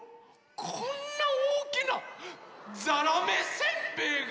こんなおおきなざらめせんべいが！